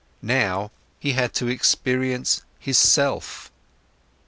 Now, he had to experience his self.